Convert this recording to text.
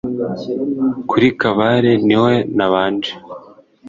kuri kabare ni ho nabanje